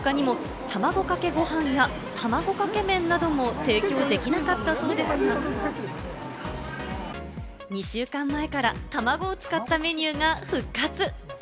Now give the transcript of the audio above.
天津飯の他にもたまごかけごはんや、たまごかけ麺なども提供できなかったそうですが、２週間前からたまごを使ったメニューが復活！